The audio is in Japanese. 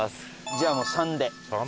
じゃあもう「３」で。